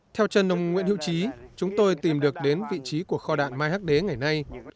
theo trần ông nguyễn hữu trí chúng tôi tìm được đến vị trí của kho đạn mai hắc đế ngày nay